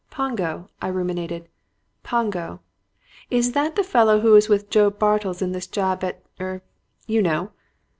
"'Pongo,' I ruminated; 'Pongo. Is that the fellow who was with Joe Bartels in that job at er you know?'